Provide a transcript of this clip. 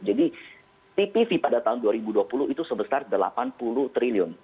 jadi tpv pada tahun dua ribu dua puluh itu sebesar rp delapan puluh triliun